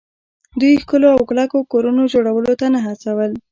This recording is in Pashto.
دوی ښکلو او کلکو کورونو جوړولو ته نه هڅول